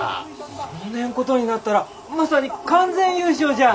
そねんことになったらまさに完全優勝じゃあ。